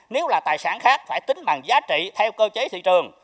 nếu là tài sản khác phải tính bằng giá trị theo cơ chế thị trường